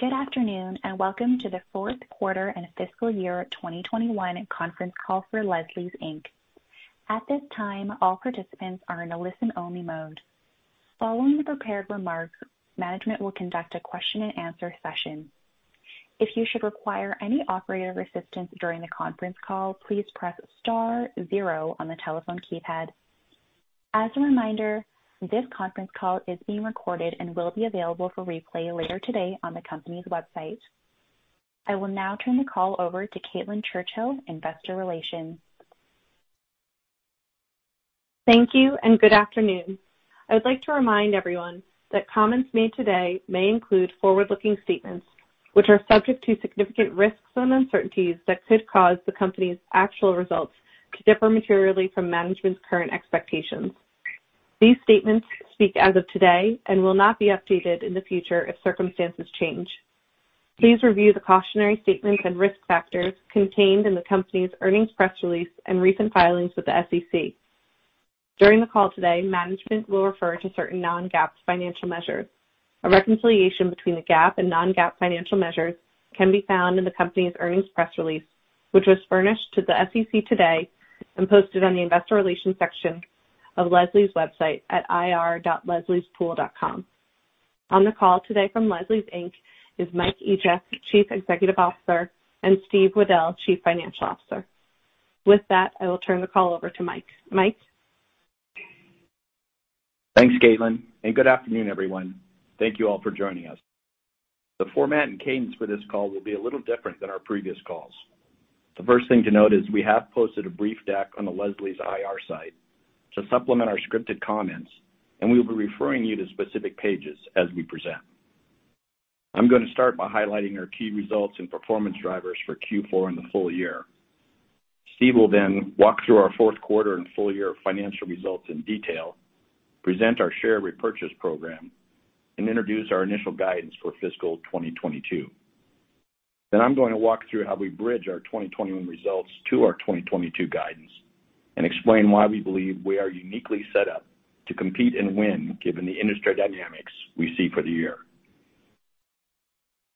Good afternoon, and welcome to the fourth quarter and fiscal year 2021 conference call for Leslie's, Inc. At this time, all participants are in a listen-only mode. Following the prepared remarks, management will conduct a question and answer session. If you should require any operator assistance during the conference call, please press star zero on the telephone keypad. As a reminder, this conference call is being recorded and will be available for replay later today on the company's website. I will now turn the call over to Caitlin Churchill, Investor Relations. Thank you and good afternoon. I would like to remind everyone that comments made today may include forward-looking statements, which are subject to significant risks and uncertainties that could cause the company's actual results to differ materially from management's current expectations. These statements speak as of today and will not be updated in the future if circumstances change. Please review the cautionary statements and risk factors contained in the company's earnings press release and recent filings with the SEC. During the call today, management will refer to certain non-GAAP financial measures. A reconciliation between the GAAP and non-GAAP financial measures can be found in the company's earnings press release, which was furnished to the SEC today and posted on the investor relations section of Leslie's website at ir.lesliespool.com. On the call today from Leslie's, Inc. is Michael Egeck, Chief Executive Officer, and Steve Weddell, Chief Financial Officer. With that, I will turn the call over to Mike. Mike? Thanks, Caitlin, and good afternoon, everyone. Thank you all for joining us. The format and cadence for this call will be a little different than our previous calls. The first thing to note is we have posted a brief deck on the Leslie's IR site to supplement our scripted comments, and we will be referring you to specific pages as we present. I'm gonna start by highlighting our key results and performance drivers for Q4 and the full year. Steve will then walk through our fourth quarter and full year financial results in detail, present our share repurchase program, and introduce our initial guidance for fiscal 2022. I'm going to walk through how we bridge our 2021 results to our 2022 guidance and explain why we believe we are uniquely set up to compete and win given the industry dynamics we see for the year.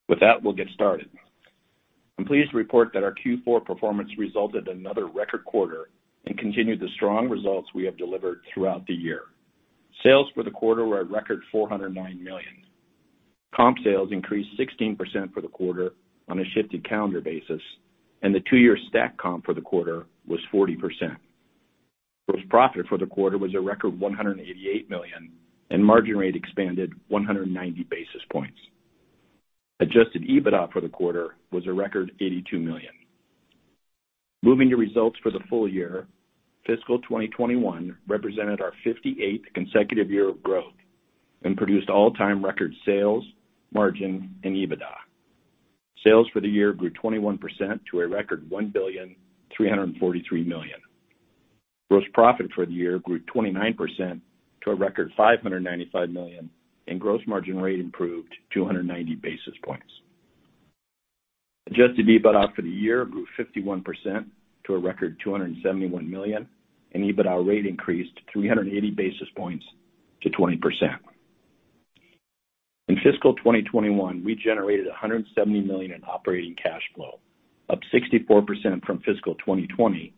With that, we'll get started. I'm pleased to report that our Q4 performance resulted in another record quarter and continued the strong results we have delivered throughout the year. Sales for the quarter were a record 409 million. Comp sales increased 16% for the quarter on a shifted calendar basis, and the two-year stack comp for the quarter was 40%. Gross profit for the quarter was a record $188 million, and margin rate expanded 190 basis points. Adjusted EBITDA for the quarter was a record $82 million. Moving to results for the full year, fiscal 2021 represented our 58th consecutive year of growth and produced all-time record sales, margin, and EBITDA. Sales for the year grew 21% to a record $1.343 billion. Gross profit for the year grew 29% to a record 595 million, and gross margin rate improved 290 basis points. Adjusted EBITDA for the year grew 51% to a record 271 million, and EBITDA rate increased 380 basis points to 20%. In fiscal 2021, we generated 170 million in operating cash flow, up 64% from fiscal 2020,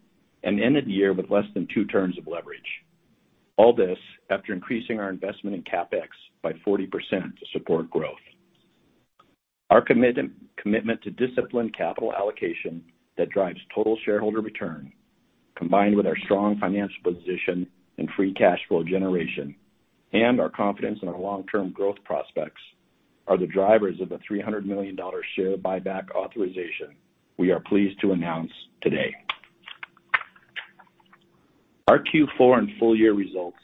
and ended the year with less than two turns of leverage. All this after increasing our investment in CapEx by 40% to support growth. Our commitment to disciplined capital allocation that drives total shareholder return, combined with our strong financial position and free cash flow generation and our confidence in our long-term growth prospects, are the drivers of the $300 million share buyback authorization we are pleased to announce today. Our Q4 and full year results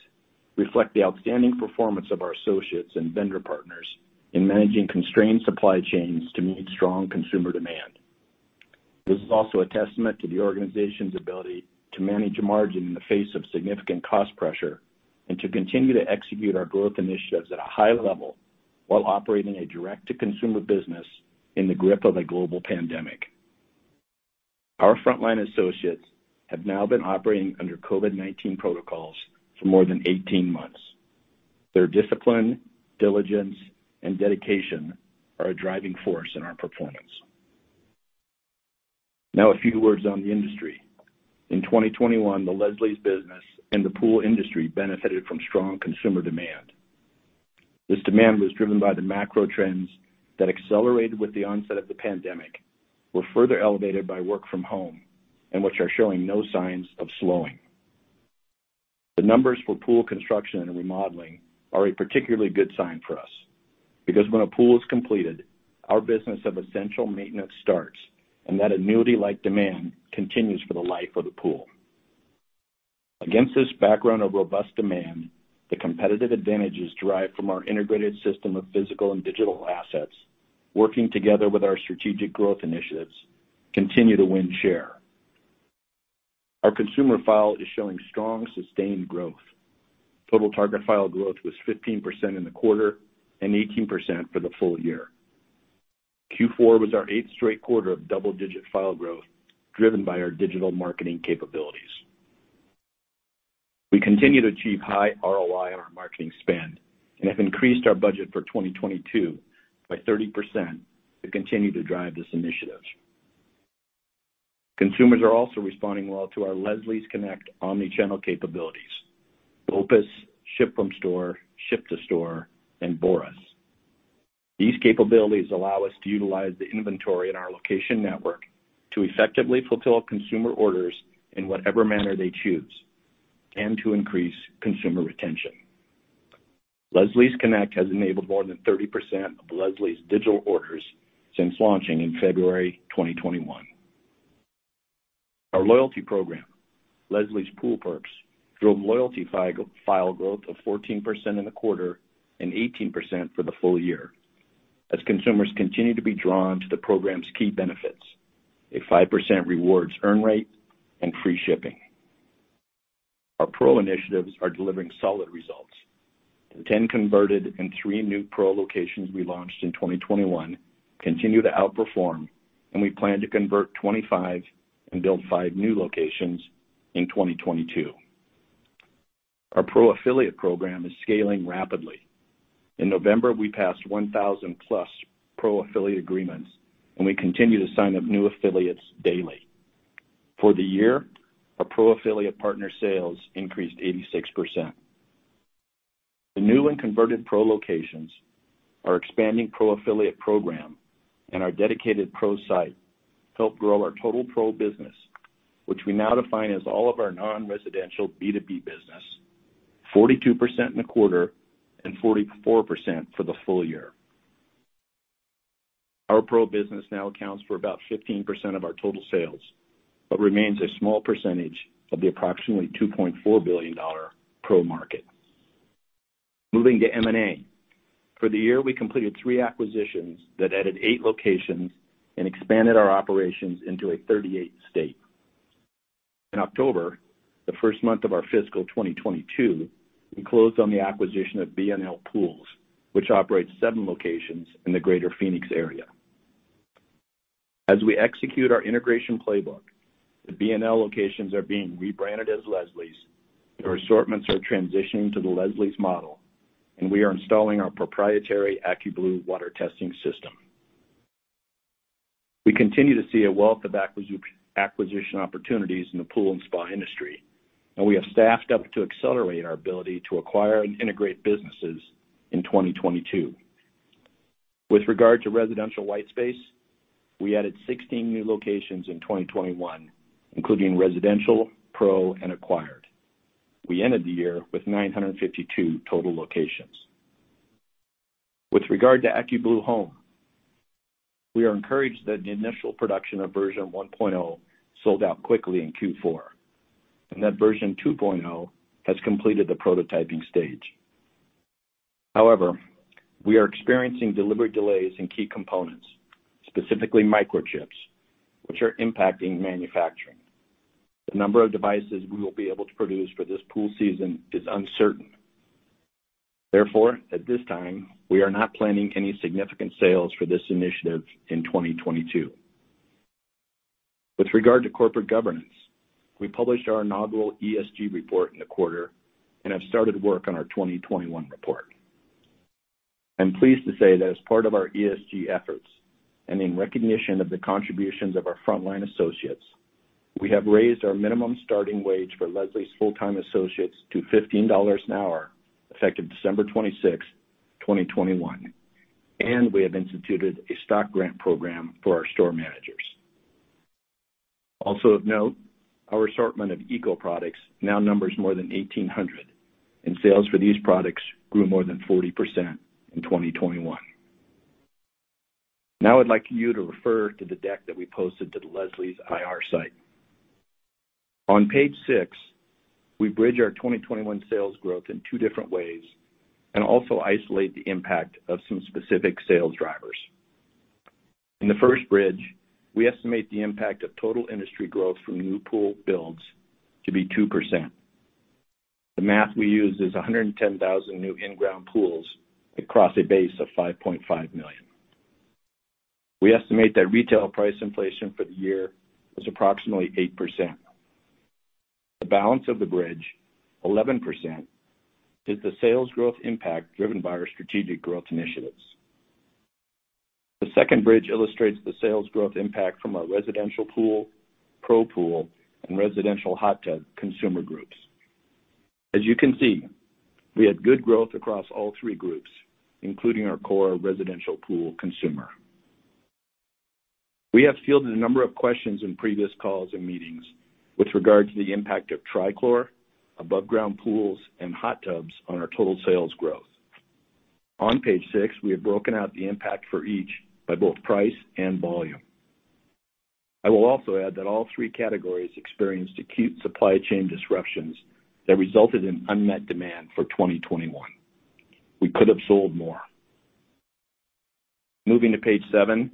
reflect the outstanding performance of our associates and vendor partners in managing constrained supply chains to meet strong consumer demand. This is also a testament to the organization's ability to manage a margin in the face of significant cost pressure and to continue to execute our growth initiatives at a high level while operating a direct-to-consumer business in the grip of a global pandemic. Our frontline associates have now been operating under COVID-19 protocols for more than 18 months. Their discipline, diligence, and dedication are a driving force in our performance. Now a few words on the industry. In 2021, the Leslie's business and the pool industry benefited from strong consumer demand. This demand was driven by the macro trends that accelerated with the onset of the pandemic, were further elevated by work from home, and which are showing no signs of slowing. The numbers for pool construction and remodeling are a particularly good sign for us because when a pool is completed, our business of essential maintenance starts, and that annuity-like demand continues for the life of the pool. Against this background of robust demand, the competitive advantages derived from our integrated system of physical and digital assets working together with our strategic growth initiatives continue to win share. Our consumer file is showing strong, sustained growth. Total target file growth was 15% in the quarter and 18% for the full year. Q4 was our eighth straight quarter of double-digit file growth, driven by our digital marketing capabilities. We continue to achieve high ROI on our marketing spend and have increased our budget for 2022 by 30% to continue to drive this initiative. Consumers are also responding well to our Leslie's Connect omni-channel capabilities, BOPUS, ship from store, ship to store, and BORIS. These capabilities allow us to utilize the inventory in our location network to effectively fulfill consumer orders in whatever manner they choose and to increase consumer retention. Leslie's Connect has enabled more than 30% of Leslie's digital orders since launching in February 2021. Our loyalty program, Leslie's Pool Perks, drove loyalty file growth of 14% in the quarter and 18% for the full year, as consumers continue to be drawn to the program's key benefits, a 5% rewards earn rate and free shipping. Our Pro initiatives are delivering solid results. The 10 converted and 3 new Pro locations we launched in 2021 continue to outperform, and we plan to convert 25 and build 5 new locations in 2022. Our Pro affiliate program is scaling rapidly. In November, we passed 1,000+ Pro affiliate agreements, and we continue to sign up new affiliates daily. For the year, our Pro affiliate partner sales increased 86%. The new and converted Pro locations, our expanding Pro affiliate program, and our dedicated Pro site helped grow our total Pro business, which we now define as all of our non-residential B2B business, 42% in the quarter and 44% for the full year. Our Pro business now accounts for about 15% of our total sales, but remains a small percentage of the approximately $2.4 billion Pro market. Moving to M&A. For the year, we completed 3 acquisitions that added 8 locations and expanded our operations into a 38-state. In October, the first month of our fiscal 2022, we closed on the acquisition of B&L Pools, which operates 7 locations in the Greater Phoenix area. As we execute our integration playbook, the B&L locations are being rebranded as Leslie's. Their assortments are transitioning to the Leslie's model, and we are installing our proprietary AccuBlue water testing system. We continue to see a wealth of acquisition opportunities in the pool and spa industry, and we have staffed up to accelerate our ability to acquire and integrate businesses in 2022. With regard to residential white space, we added 16 new locations in 2021, including residential, Pro, and acquired. We ended the year with 952 total locations. With regard to AccuBlue Home, we are encouraged that the initial production of version 1.0 sold out quickly in Q4 and that version 2.0 has completed the prototyping stage. However, we are experiencing delivery delays in key components, specifically microchips, which are impacting manufacturing. The number of devices we will be able to produce for this pool season is uncertain. Therefore, at this time, we are not planning any significant sales for this initiative in 2022. With regard to corporate governance, we published our inaugural ESG report in the quarter and have started work on our 2021 report. I'm pleased to say that as part of our ESG efforts, and in recognition of the contributions of our frontline associates, we have raised our minimum starting wage for Leslie's full-time associates to $15 an hour, effective December 26, 2021, and we have instituted a stock grant program for our store managers. Also of note, our assortment of eco products now numbers more than 1,800, and sales for these products grew more than 40% in 2021. Now I'd like you to refer to the deck that we posted to the Leslie's IR site. On page 6, we bridge our 2021 sales growth in two different ways and also isolate the impact of some specific sales drivers. In the first bridge, we estimate the impact of total industry growth from new pool builds to be 2%. The math we use is 110,000 new in-ground pools across a base of 5.5 million. We estimate that retail price inflation for the year was approximately 8%. The balance of the bridge, 11%, is the sales growth impact driven by our strategic growth initiatives. The second bridge illustrates the sales growth impact from our residential pool, Pro pool, and residential hot tub consumer groups. As you can see, we had good growth across all three groups, including our core residential pool consumer. We have fielded a number of questions in previous calls and meetings with regard to the impact of Tri-Chlor, above ground pools, and hot tubs on our total sales growth. On page six, we have broken out the impact for each by both price and volume. I will also add that all three categories experienced acute supply chain disruptions that resulted in unmet demand for 2021. We could have sold more. Moving to page 7,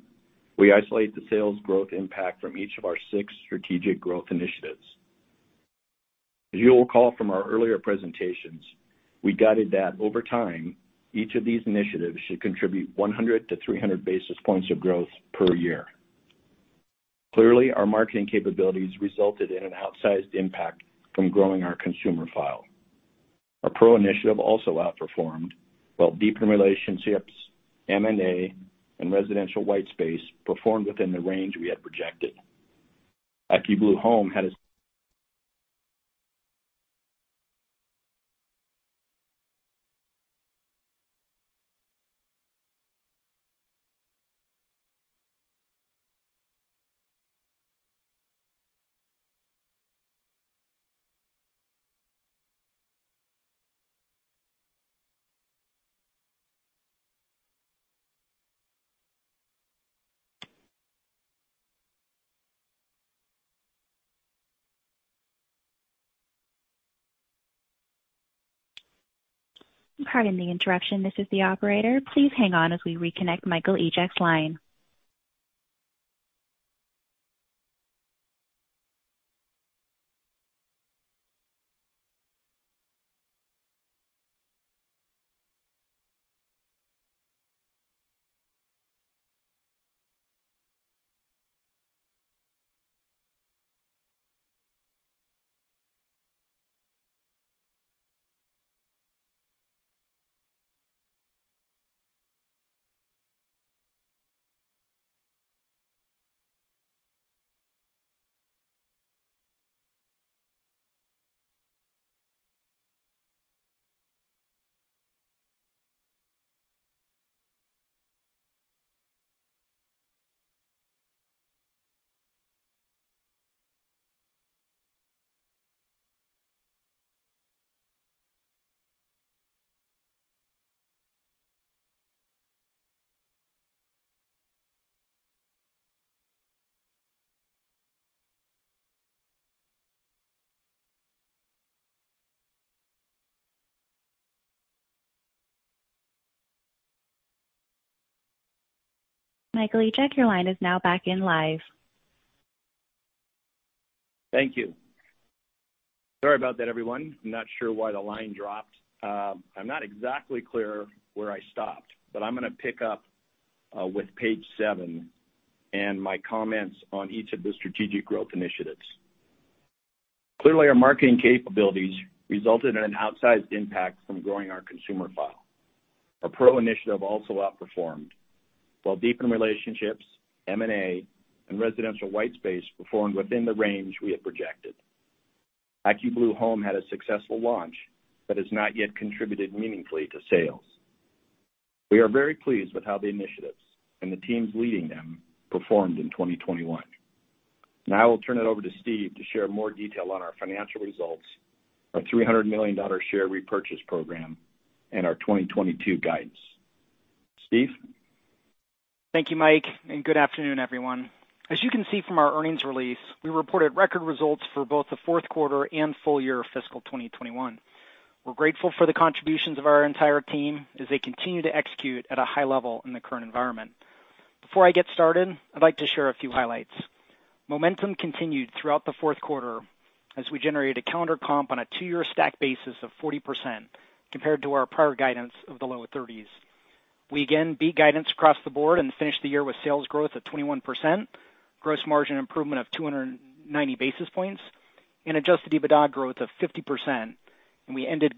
we isolate the sales growth impact from each of our six strategic growth initiatives. As you'll recall from our earlier presentations, we guided that over time, each of these initiatives should contribute 100-300 basis points of growth per year. Clearly, our marketing capabilities resulted in an outsized impact from growing our consumer file. Our Pro initiative also outperformed, while Deepen Relationships, M&A, and Residential White Space performed within the range we had projected. AccuBlue Home had a- Pardon the interruption. This is the operator. Please hang on as we reconnect Michael Egeck's line. Michael Egeck, your line is now back live. Thank you. Sorry about that, everyone. I'm not sure why the line dropped. I'm not exactly clear where I stopped, but I'm gonna pick up with page seven and my comments on each of the strategic growth initiatives. Clearly, our marketing capabilities resulted in an outsized impact from growing our consumer file. Our pro initiative also outperformed, while deepen relationships, M&A, and residential white space performed within the range we had projected. AccuBlue Home had a successful launch that has not yet contributed meaningfully to sales. We are very pleased with how the initiatives and the teams leading them performed in 2021. Now I will turn it over to Steve to share more detail on our financial results, our $300 million share repurchase program, and our 2022 guidance. Steve. Thank you, Mike, and good afternoon, everyone. As you can see from our earnings release, we reported record results for both the fourth quarter and full year of fiscal 2021. We're grateful for the contributions of our entire team as they continue to execute at a high level in the current environment. Before I get started, I'd like to share a few highlights. Momentum continued throughout the fourth quarter as we generated a calendar comp on a two-year stack basis of 40% compared to our prior guidance of the low 30s. We again beat guidance across the board and finished the year with sales growth of 21%, gross margin improvement of 290 basis points, and adjusted EBITDA growth of 50%, and we ended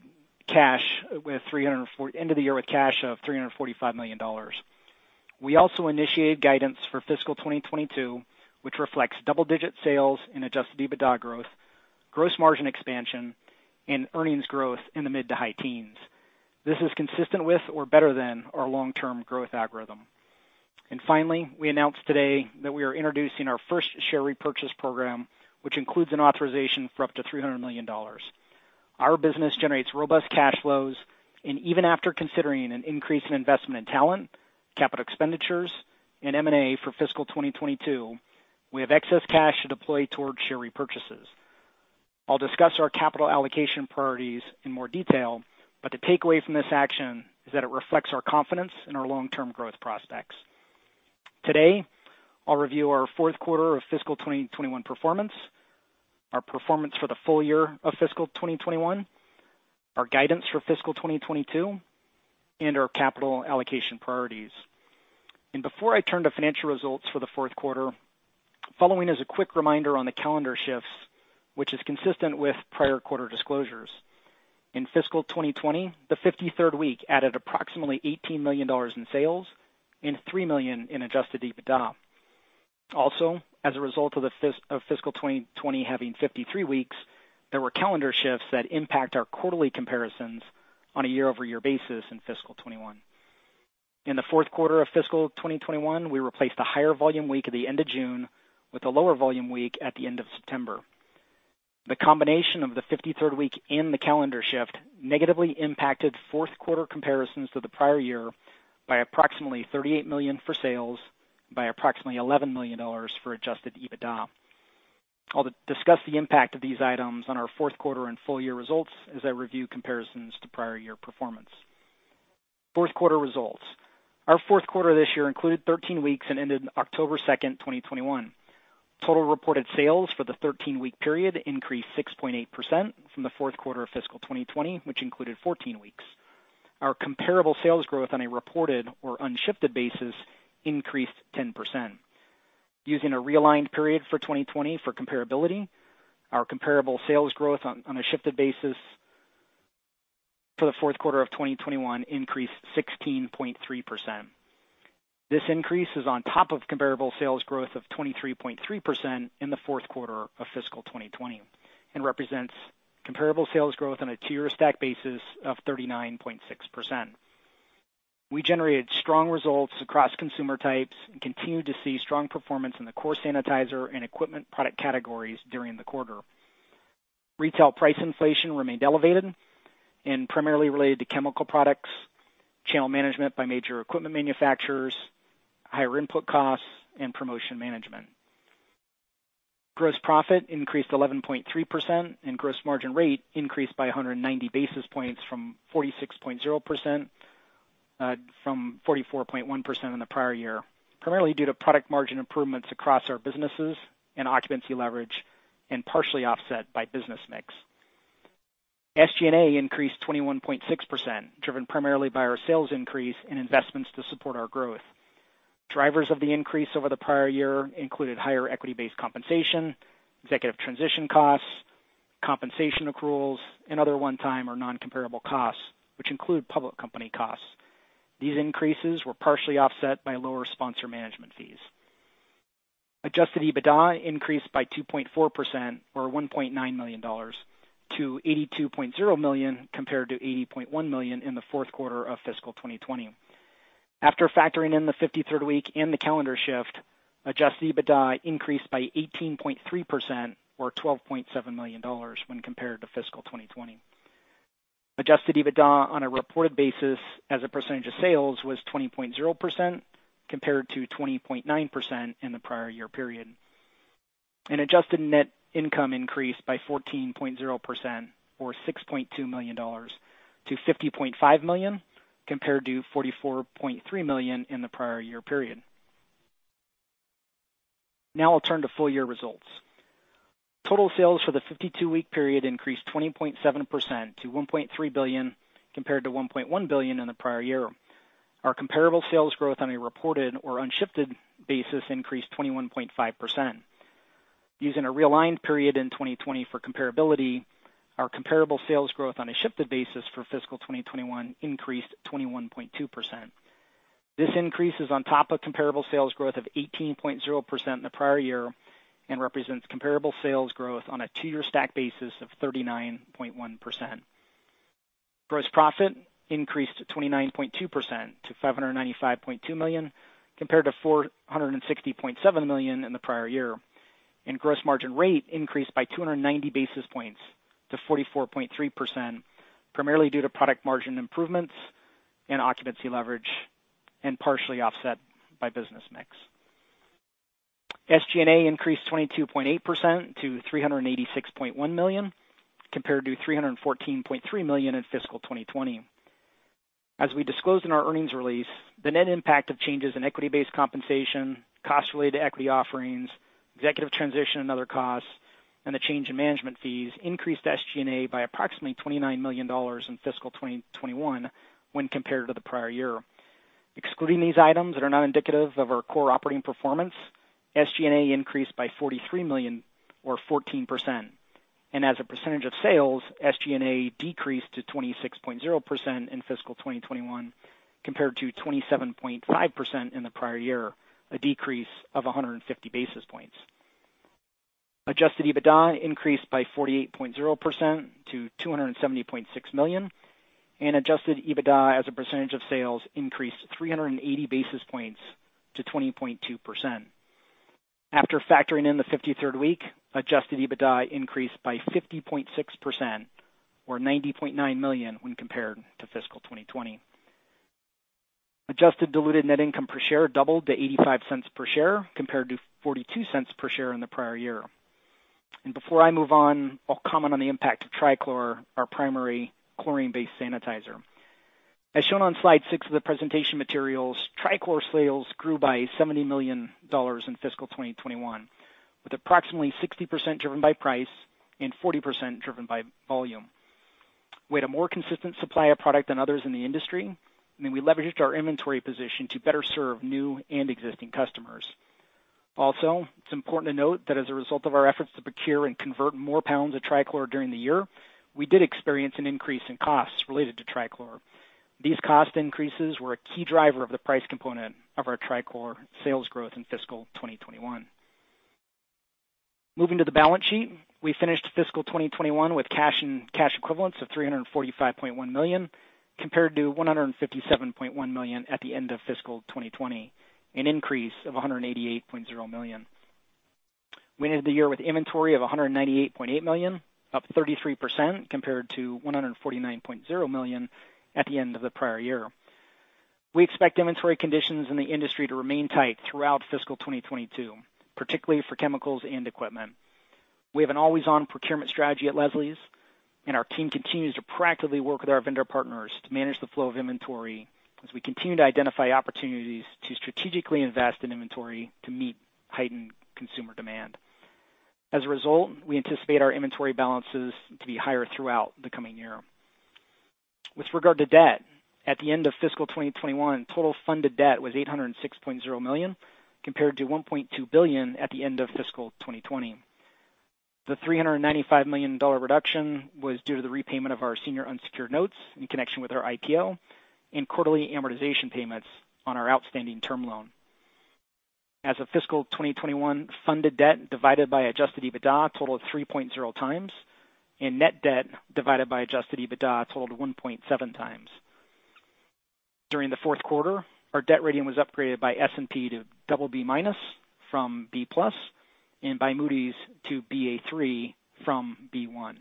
the year with cash of $345 million. We also initiated guidance for fiscal 2022, which reflects double-digit sales and adjusted EBITDA growth, gross margin expansion, and earnings growth in the mid- to high teens. This is consistent with or better than our long-term growth algorithm. Finally, we announced today that we are introducing our first share repurchase program, which includes an authorization for up to $300 million. Our business generates robust cash flows, and even after considering an increase in investment in talent, capital expenditures, and M&A for fiscal 2022, we have excess cash to deploy towards share repurchases. I'll discuss our capital allocation priorities in more detail, but the takeaway from this action is that it reflects our confidence in our long-term growth prospects. Today, I'll review our fourth quarter of fiscal 2021 performance, our performance for the full year of fiscal 2021, our guidance for fiscal 2022, and our capital allocation priorities. Before I turn to financial results for the fourth quarter, following is a quick reminder on the calendar shifts, which is consistent with prior quarter disclosures. In fiscal 2020, the 53rd week added approximately $18 million in sales and three million in adjusted EBITDA. Also, as a result of fiscal 2020 having 53 weeks, there were calendar shifts that impact our quarterly comparisons on a year-over-year basis in fiscal 2021. In the fourth quarter of fiscal 2021, we replaced a higher volume week at the end of June with a lower volume week at the end of September. The combination of the 53rd week and the calendar shift negatively impacted fourth quarter comparisons to the prior year by approximately 38 million for sales, by approximately $11 million for adjusted EBITDA. I'll discuss the impact of these items on our fourth quarter and full year results as I review comparisons to prior year performance. Fourth quarter results. Our fourth quarter this year included 13 weeks and ended October 2, 2021. Total reported sales for the 13-week period increased 6.8% from the fourth quarter of fiscal 2020, which included 14 weeks. Our comparable sales growth on a reported or unshifted basis increased 10%. Using a realigned period for 2020 for comparability, our comparable sales growth on a shifted basis for the fourth quarter of 2021 increased 16.3%. This increase is on top of comparable sales growth of 23.3% in the fourth quarter of fiscal 2020, and represents comparable sales growth on a two-year stack basis of 39.6%. We generated strong results across consumer types and continued to see strong performance in the core sanitizer and equipment product categories during the quarter. Retail price inflation remained elevated and primarily related to chemical products, channel management by major equipment manufacturers, higher input costs, and promotion management. Gross profit increased 11.3%, and gross margin rate increased by 190 basis points from 46.0%, from 44.1% in the prior year, primarily due to product margin improvements across our businesses and occupancy leverage, and partially offset by business mix. SG&A increased 21.6%, driven primarily by our sales increase and investments to support our growth. Drivers of the increase over the prior year included higher equity-based compensation, executive transition costs, compensation accruals, and other one-time or non-comparable costs, which include public company costs. These increases were partially offset by lower sponsor management fees. Adjusted EBITDA increased by 2.4% or $1.9 million to 82.0 million compared to 80.1 million in the fourth quarter of fiscal 2020. After factoring in the fifty-third week and the calendar shift, adjusted EBITDA increased by 18.3% or $12.7 million when compared to fiscal 2020. Adjusted EBITDA on a reported basis as a percentage of sales was 20.0% compared to 20.9% in the prior year period. Adjusted net income increased by 14.0% or $6.2 million to 50.5 million compared to 44.3 million in the prior year period. Now I'll turn to full year results. Total sales for the 52-week period increased 20.7% to $1.3 billion compared to $1.1 billion in the prior year. Our comparable sales growth on a reported or unshifted basis increased 21.5%. Using a realigned period in 2020 for comparability, our comparable sales growth on a shifted basis for fiscal 2021 increased 21.2%. This increase is on top of comparable sales growth of 18.0% in the prior year and represents comparable sales growth on a two-year stack basis of 39.1%. Gross profit increased 29.2% to 595.2 million, compared to 460.7 million in the prior year. Gross margin rate increased by 290 basis points to 44.3%, primarily due to product margin improvements and occupancy leverage, and partially offset by business mix. SG&A increased 22.8% to 386.1 million, compared to 314.3 million in fiscal 2020. As we disclosed in our earnings release, the net impact of changes in equity-based compensation, costs related to equity offerings, executive transition and other costs, and the change in management fees increased SG&A by approximately $29 million in fiscal 2021 when compared to the prior year. Excluding these items that are not indicative of our core operating performance, SG&A increased by 43 million or 14%. As a percentage of sales, SG&A decreased to 26.0% in fiscal 2021 compared to 27.5% in the prior year, a decrease of 150 basis points. Adjusted EBITDA increased by 48.0%-270.6 million, and adjusted EBITDA as a percentage of sales increased 380 basis points to 20.2%. After factoring in the 53rd week, adjusted EBITDA increased by 50.6% or 90.9 million when compared to fiscal 2020. Adjusted diluted net income per share doubled to 0.85 per share compared to 0.42 per share in the prior year. Before I move on, I'll comment on the impact of Tri-Chlor, our primary chlorine-based sanitizer. As shown on slide six of the presentation materials, Tri-Chlor sales grew by $70 million in fiscal 2021, with approximately 60% driven by price and 40% driven by volume. We had a more consistent supply of product than others in the industry, and then we leveraged our inventory position to better serve new and existing customers. Also, it's important to note that as a result of our efforts to procure and convert more pounds of Tri-Chlor during the year, we did experience an increase in costs related to Tri-Chlor. These cost increases were a key driver of the price component of our Tri-Chlor sales growth in fiscal 2021. Moving to the balance sheet. We finished fiscal 2021 with cash and cash equivalents of 345.1 million, compared to 157.1 million at the end of fiscal 2020, an increase of 188.0 million. We ended the year with inventory of 198.8 million, up 33% compared to 149.0 million at the end of the prior year. We expect inventory conditions in the industry to remain tight throughout fiscal 2022, particularly for chemicals and equipment. We have an always-on procurement strategy at Leslie's, and our team continues to proactively work with our vendor partners to manage the flow of inventory as we continue to identify opportunities to strategically invest in inventory to meet heightened consumer demand. As a result, we anticipate our inventory balances to be higher throughout the coming year. With regard to debt, at the end of fiscal 2021, total funded debt was 806.0 million, compared to 1.2 billion at the end of fiscal 2020. The $395 million dollar reduction was due to the repayment of our senior unsecured notes in connection with our IPO and quarterly amortization payments on our outstanding term loan. As of fiscal 2021, funded debt divided by adjusted EBITDA totaled 3.0x, and net debt divided by adjusted EBITDA totaled 1.7x. During the fourth quarter, our debt rating was upgraded by S&P to BB- from B+, and by Moody's to Ba3 from B1.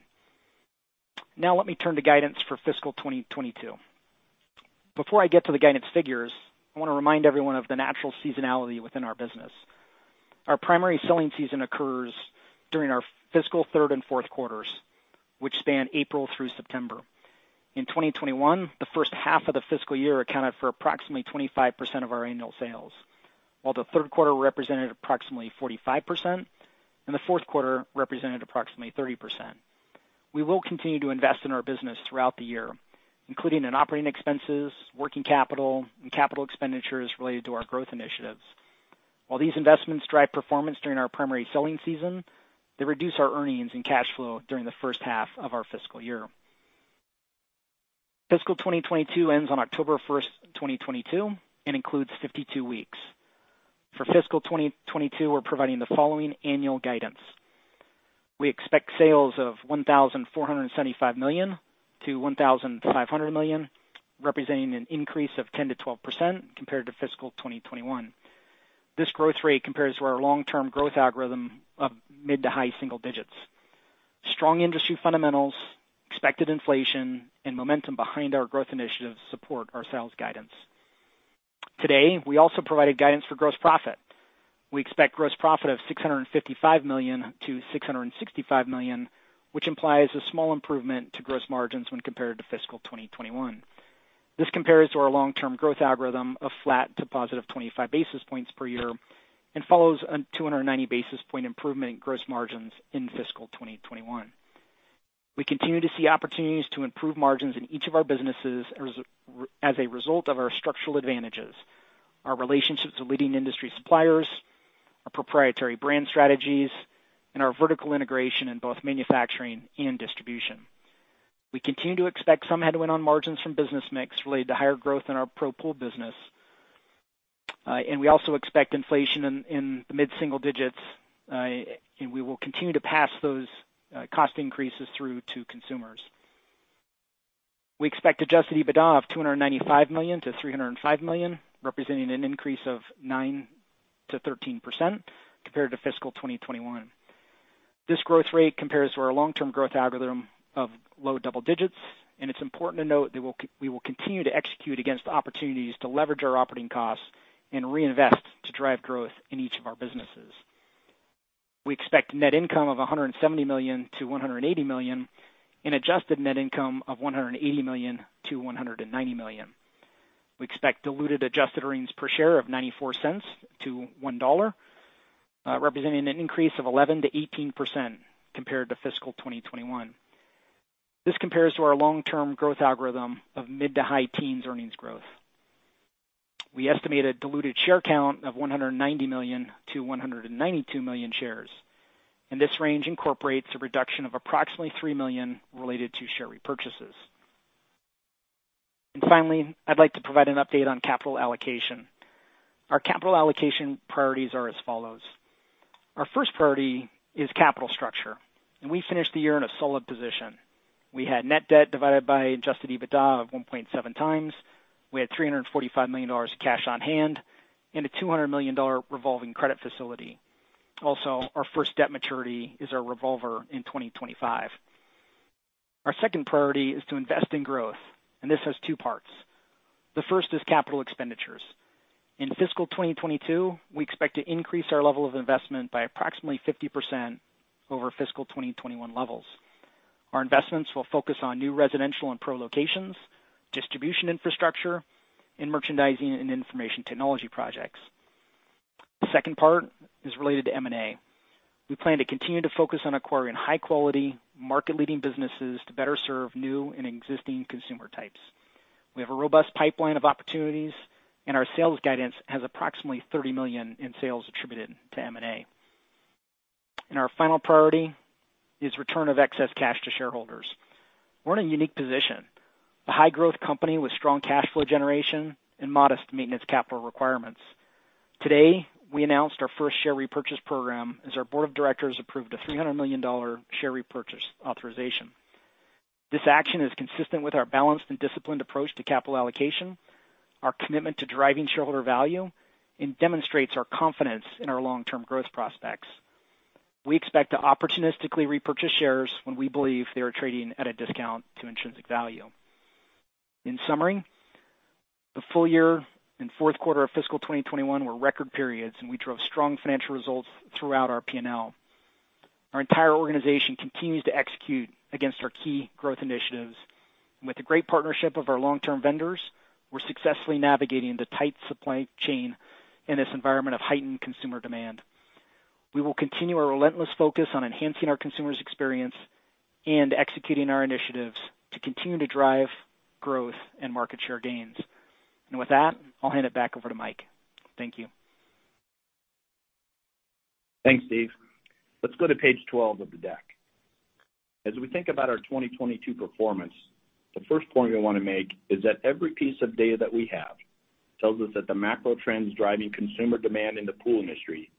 Now let me turn to guidance for fiscal 2022. Before I get to the guidance figures, I wanna remind everyone of the natural seasonality within our business. Our primary selling season occurs during our fiscal third and fourth quarters, which span April through September. In 2021, the first half of the fiscal year accounted for approximately 25% of our annual sales, while the third quarter represented approximately 45% and the fourth quarter represented approximately 30%. We will continue to invest in our business throughout the year, including in operating expenses, working capital, and capital expenditures related to our growth initiatives. While these investments drive performance during our primary selling season, they reduce our earnings and cash flow during the first half of our fiscal year. Fiscal 2022 ends on October 1, 2022, and includes 52 weeks. For fiscal 2022, we're providing the following annual guidance. We expect sales of 1,475 million-1,500 million, representing an increase of 10%-12% compared to fiscal 2021. This growth rate compares to our long-term growth algorithm of mid- to high-single digits. Strong industry fundamentals, expected inflation, and momentum behind our growth initiatives support our sales guidance. Today, we also provided guidance for gross profit. We expect gross profit of 655 million-665 million, which implies a small improvement to gross margins when compared to fiscal 2021. This compares to our long-term growth algorithm of flat to positive 25 basis points per year and follows a 290 basis point improvement in gross margins in fiscal 2021. We continue to see opportunities to improve margins in each of our businesses. As a result of our structural advantages, our relationships with leading industry suppliers, our proprietary brand strategies, and our vertical integration in both manufacturing and distribution. We continue to expect some headwind on margins from business mix related to higher growth in our pro pool business. We also expect inflation in the mid-single digits. We will continue to pass those cost increases through to consumers. We expect adjusted EBITDA of 295 million-305 million, representing an increase of 9%-13% compared to fiscal 2021. This growth rate compares to our long-term growth algorithm of low double digits, and it's important to note that we will continue to execute against opportunities to leverage our operating costs and reinvest to drive growth in each of our businesses. We expect net income of 170 million-180 million and adjusted net income of 180 million-190 million. We expect diluted adjusted earnings per share of 0.94-1.00, representing an increase of 11%-18% compared to fiscal 2021. This compares to our long-term growth algorithm of mid- to high-teens earnings growth. We estimate a diluted share count of 190 million-192 million shares, and this range incorporates a reduction of approximately three million related to share repurchases. Finally, I'd like to provide an update on capital allocation. Our capital allocation priorities are as follows. Our first priority is capital structure, and we finished the year in a solid position. We had net debt divided by adjusted EBITDA of 1.7 times. We had 345 million of cash on hand and a $200 million revolving credit facility. Also, our first debt maturity is our revolver in 2025. Our second priority is to invest in growth, and this has two parts. The first is capital expenditures. In fiscal 2022, we expect to increase our level of investment by approximately 50% over fiscal 2021 levels. Our investments will focus on new residential and pro locations, distribution infrastructure, and merchandising and information technology projects. The second part is related to M&A. We plan to continue to focus on acquiring high quality, market-leading businesses to better serve new and existing consumer types. We have a robust pipeline of opportunities, and our sales guidance has approximately 30 million in sales attributed to M&A. Our final priority is return of excess cash to shareholders. We're in a unique position, a high growth company with strong cash flow generation and modest maintenance capital requirements. Today, we announced our first share repurchase program as our board of directors approved a $300 million share repurchase authorization. This action is consistent with our balanced and disciplined approach to capital allocation, our commitment to driving shareholder value, and demonstrates our confidence in our long-term growth prospects. We expect to opportunistically repurchase shares when we believe they are trading at a discount to intrinsic value. In summary, the full year and fourth quarter of fiscal 2021 were record periods, and we drove strong financial results throughout our P&L. Our entire organization continues to execute against our key growth initiatives. With the great partnership of our long-term vendors, we're successfully navigating the tight supply chain in this environment of heightened consumer demand. We will continue our relentless focus on enhancing our consumers' experience and executing our initiatives to continue to drive growth and market share gains. With that, I'll hand it back over to Mike. Thank you. Thanks, Steve. Let's go to page 12 of the deck. As we think about our 2022 performance, the first point I wanna make is that every piece of data that we have tells us that the macro trends driving consumer demand in the pool industry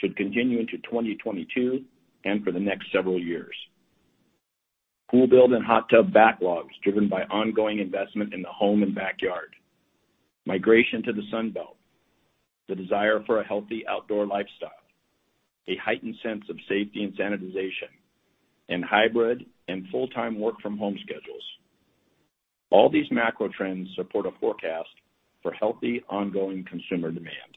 should continue into 2022 and for the next several years. Pool build and hot tub backlogs driven by ongoing investment in the home and backyard, migration to the Sun Belt, the desire for a healthy outdoor lifestyle, a heightened sense of safety and sanitization, and hybrid and full-time work from home schedules. All these macro trends support a forecast for healthy ongoing consumer demand.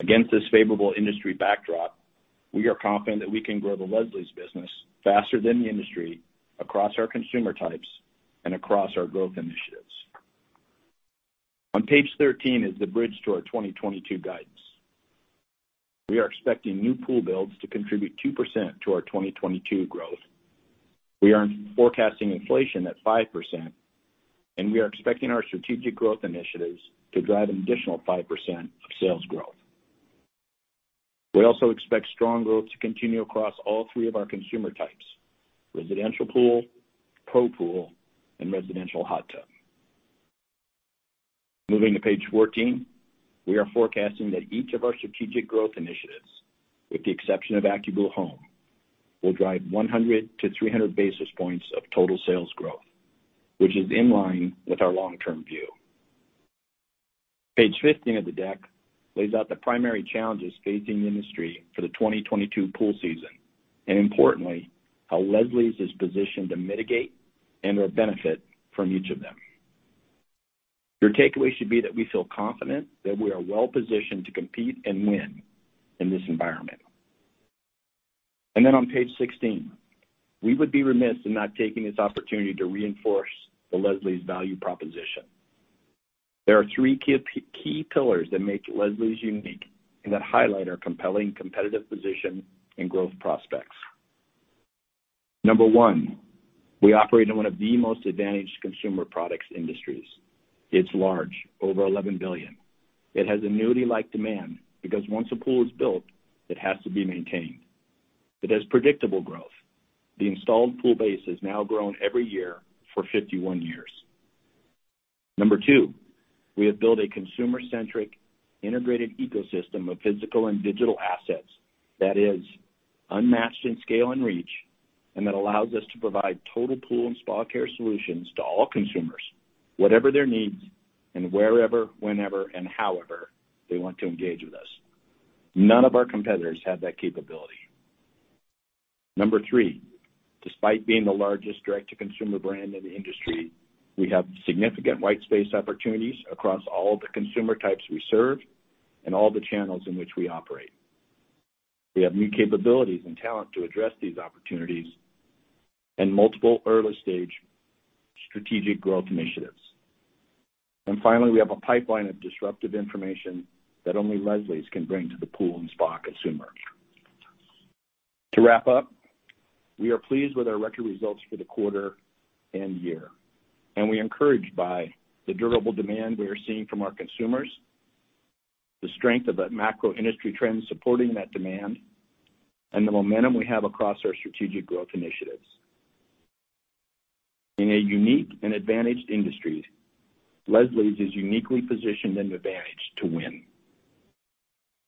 Against this favorable industry backdrop, we are confident that we can grow the Leslie's business faster than the industry across our consumer types and across our growth initiatives. On page 13 is the bridge to our 2022 guidance. We are expecting new pool builds to contribute 2% to our 2022 growth. We are forecasting inflation at 5%, and we are expecting our strategic growth initiatives to drive an additional 5% of sales growth. We also expect strong growth to continue across all three of our consumer types, residential pool, pro pool, and residential hot tub. Moving to page 14. We are forecasting that each of our strategic growth initiatives, with the exception of AccuBlue Home, will drive 100-300 basis points of total sales growth, which is in line with our long-term view. Page 15 of the deck lays out the primary challenges facing the industry for the 2022 pool season, and importantly, how Leslie's is positioned to mitigate and/or benefit from each of them. Your takeaway should be that we feel confident that we are well-positioned to compete and win in this environment. Then on page sixteen, we would be remiss in not taking this opportunity to reinforce the Leslie's value proposition. There are three key pillars that make Leslie's unique and that highlight our compelling competitive position and growth prospects. Number one, we operate in one of the most advantaged consumer products industries. It's large, over 11 billion. It has annuity-like demand because once a pool is built, it has to be maintained. It has predictable growth. The installed pool base has now grown every year for 51 years. Number two, we have built a consumer-centric, integrated ecosystem of physical and digital assets that is unmatched in scale and reach, and that allows us to provide total pool and spa care solutions to all consumers, whatever their needs and wherever, whenever, and however they want to engage with us. None of our competitors have that capability. Number three, despite being the largest direct-to-consumer brand in the industry, we have significant white space opportunities across all the consumer types we serve and all the channels in which we operate. We have new capabilities and talent to address these opportunities and multiple early-stage strategic growth initiatives. Finally, we have a pipeline of disruptive information that only Leslie's can bring to the pool and spa consumer. To wrap up, we are pleased with our record results for the quarter and year, and we're encouraged by the durable demand we are seeing from our consumers, the strength of the macro industry trends supporting that demand, and the momentum we have across our strategic growth initiatives. In a unique and advantaged industry, Leslie's is uniquely positioned and advantaged to win.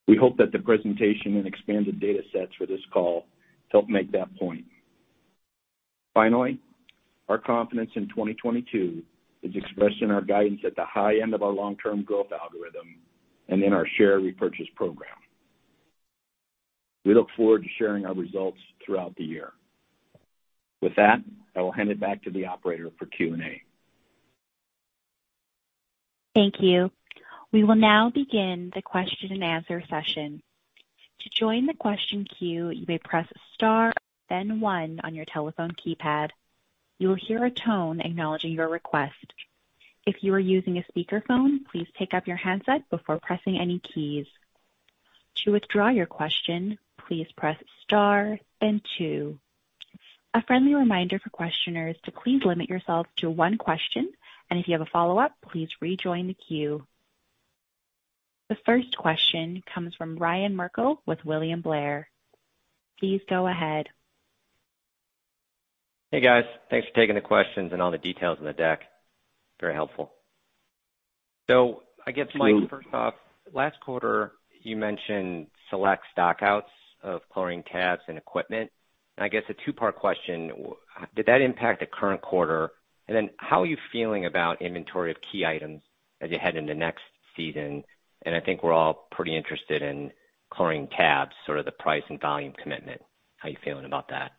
We hope that the presentation and expanded data sets for this call help make that point. Finally, our confidence in 2022 is expressed in our guidance at the high end of our long-term growth algorithm and in our share repurchase program. We look forward to sharing our results throughout the year. With that, I will hand it back to the operator for Q&A. Thank you. We will now begin the question-and-answer session. To join the question queue, you may press star then one on your telephone keypad. You will hear a tone acknowledging your request. If you are using a speakerphone, please pick up your handset before pressing any keys. To withdraw your question, please press star and two. A friendly reminder for questioners to please limit yourself to one question, and if you have a follow-up, please rejoin the queue. The first question comes from Ryan Merkel with William Blair. Please go ahead. Hey, guys. Thanks for taking the questions and all the details in the deck. Very helpful. I guess, Mike, first off, last quarter, you mentioned select stock-outs of chlorine tabs and equipment. I guess a two-part question, did that impact the current quarter? Then how are you feeling about inventory of key items as you head into next season? I think we're all pretty interested in chlorine tabs, sort of the price and volume commitment. How are you feeling about that?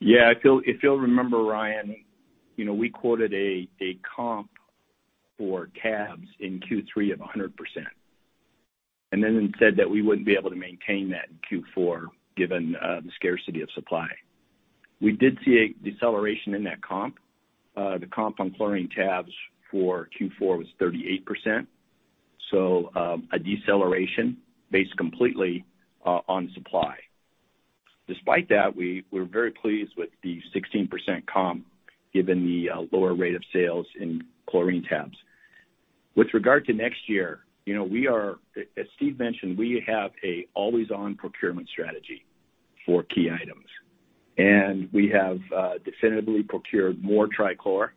Yeah. If you'll remember, Ryan, you know, we quoted a comp for tabs in Q3 of 100%. Then we said that we wouldn't be able to maintain that in Q4 given the scarcity of supply. We did see a deceleration in that comp. The comp on chlorine tabs for Q4 was 38%. A deceleration based completely on supply. Despite that, we're very pleased with the 16% comp given the lower rate of sales in chlorine tabs. With regard to next year, you know, we are. As Steve mentioned, we have a always-on procurement strategy for key items. We have definitively procured more Tri-Chlor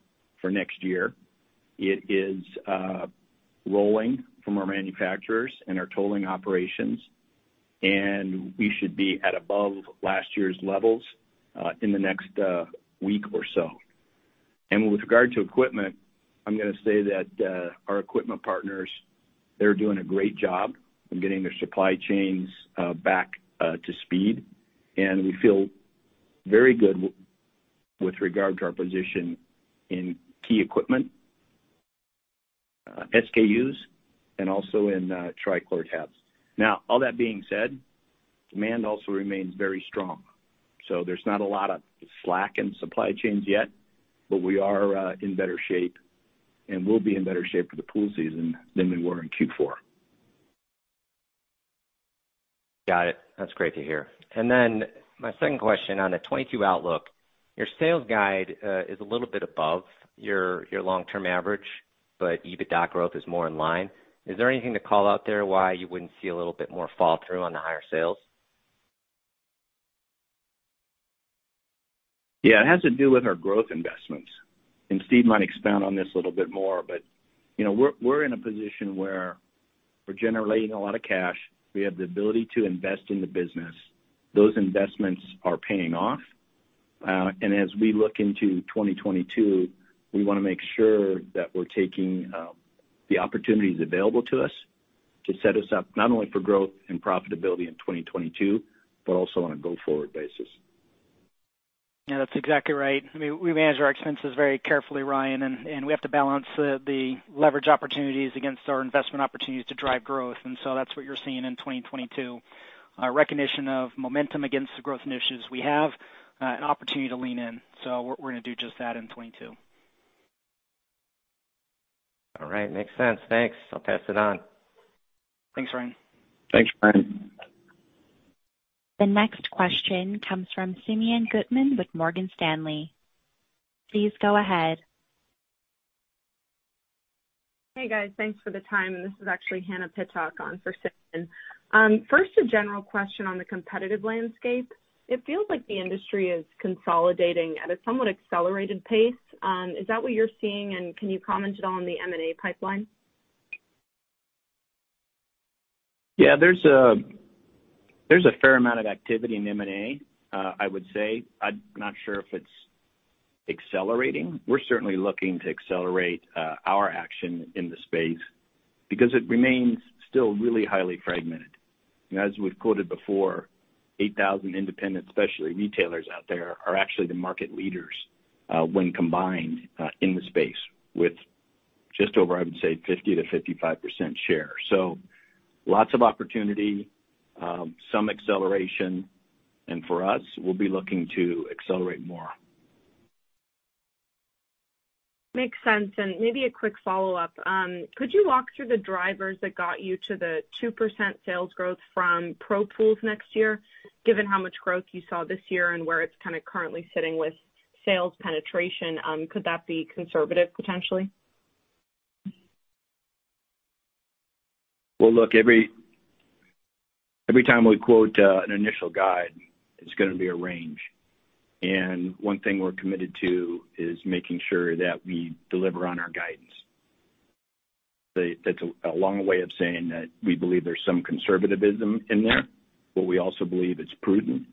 for next year. It is rolling from our manufacturers and our tolling operations, and we should be at above last year's levels in the next week or so. With regard to equipment, I'm gonna say that our equipment partners, they're doing a great job in getting their supply chains back to speed. We feel very good with regard to our position in key equipment SKUs, and also in Tri-Chlor tabs. Now, all that being said, demand also remains very strong. There's not a lot of slack in supply chains yet, but we are in better shape and we'll be in better shape for the pool season than we were in Q4. Got it. That's great to hear. My second question on the 2022 outlook. Your sales guide is a little bit above your long-term average, but EBITDA growth is more in line. Is there anything to call out there why you wouldn't see a little bit more fall through on the higher sales? Yeah, it has to do with our growth investments. Steve might expound on this a little bit more, but you know, we're in a position where we're generating a lot of cash. We have the ability to invest in the business. Those investments are paying off. As we look into 2022, we wanna make sure that we're taking the opportunities available to us to set us up not only for growth and profitability in 2022, but also on a go-forward basis. Yeah, that's exactly right. I mean, we manage our expenses very carefully, Ryan, and we have to balance the leverage opportunities against our investment opportunities to drive growth. That's what you're seeing in 2022. Our recognition of momentum against the growth initiatives, we have an opportunity to lean in. We're gonna do just that in 2022. All right. Makes sense. Thanks. I'll pass it on. Thanks, Ryan. Thanks, Ryan. The next question comes from Simeon Gutman with Morgan Stanley. Please go ahead. Hey, guys. Thanks for the time. This is actually Hannah Pittock on for Simeon. First, a general question on the competitive landscape. It feels like the industry is consolidating at a somewhat accelerated pace. Is that what you're seeing? Can you comment at all on the M&A pipeline? Yeah. There's a fair amount of activity in M&A, I would say. I'm not sure if it's accelerating. We're certainly looking to accelerate our action in the space because it remains still really highly fragmented. As we've quoted before, 8,000 independent specialty retailers out there are actually the market leaders, when combined, in the space with just over, I would say, 50%-55% share. Lots of opportunity, some acceleration, and for us, we'll be looking to accelerate more. Makes sense. Maybe a quick follow-up. Could you walk through the drivers that got you to the 2% sales growth from pro pools next year, given how much growth you saw this year and where it's kinda currently sitting with sales penetration? Could that be conservative potentially? Well, look, every time we quote an initial guide, it's gonna be a range. One thing we're committed to is making sure that we deliver on our guidance. That's a long way of saying that we believe there's some conservatism in there, but we also believe it's prudent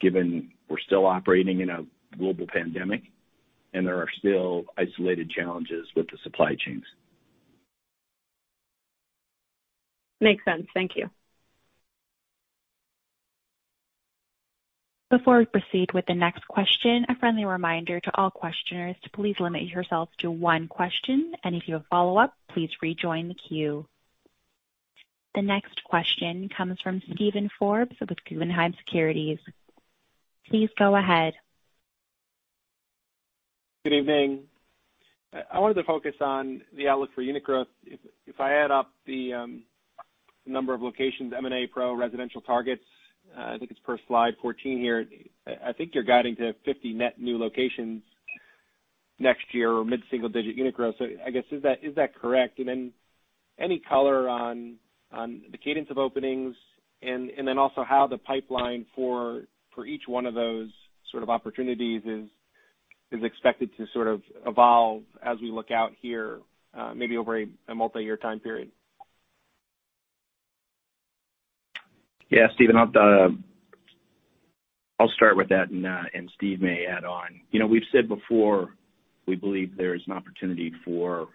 given we're still operating in a global pandemic, and there are still isolated challenges with the supply chains. Makes sense. Thank you. Before we proceed with the next question, a friendly reminder to all questioners to please limit yourselves to one question. If you have follow-up, please rejoin the queue. The next question comes from Steven Forbes with Guggenheim Securities. Please go ahead. Good evening. I wanted to focus on the outlook for unit growth. If I add up the number of locations, M&A, pro, residential targets, I think it's per slide 14 here, I think you're guiding to 50 net new locations next year or mid-single digit unit growth. I guess, is that correct? Then any color on the cadence of openings and then also how the pipeline for each one of those sort of opportunities is expected to sort of evolve as we look out here, maybe over a multi-year time period. Yeah. Steven, I'll start with that, and Steve may add on. You know, we've said before we believe there is an opportunity for